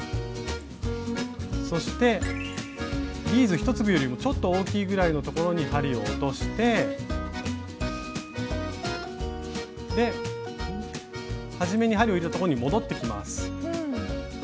そしてビーズ１粒よりもちょっと大きいぐらいのところに針を落として始めに針を入れたところに戻ってきます。